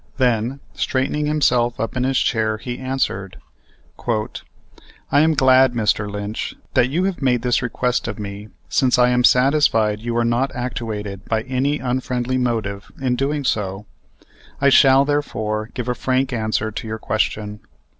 Then, straightening himself up in his chair, he answered: "I am glad, Mr. Lynch, that you have made this request of me, since I am satisfied you are not actuated by any unfriendly motive in doing so. I shall, therefore, give a frank answer to your question.